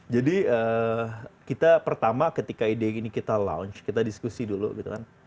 jadi kita pertama ketika ide ini kita launch kita diskusi dulu gitu kan